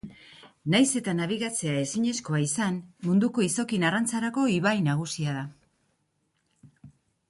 Nahiz eta nabigatzea ezinezkoa izan munduko izokin-arrantzarako ibai nagusia da.